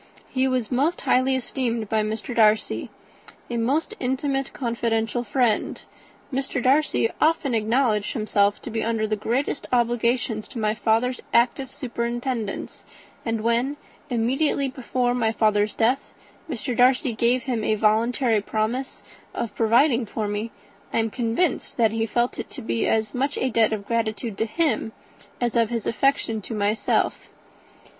He was most highly esteemed by Mr. Darcy, a most intimate, confidential friend. Mr. Darcy often acknowledged himself to be under the greatest obligations to my father's active superintendence; and when, immediately before my father's death, Mr. Darcy gave him a voluntary promise of providing for me, I am convinced that he felt it to be as much a debt of gratitude to him as of affection to myself."